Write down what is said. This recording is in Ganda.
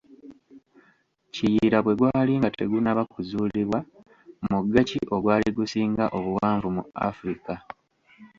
"Kiyira bwe gwali nga tegunnaba kuzuulibwa, mugga ki ogwali gusinga obuwanvu mu Afrika?"